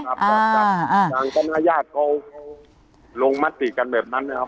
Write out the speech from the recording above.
ครับครับอย่างธนญาติเขาลงมันติกันแบบนั้นนะครับ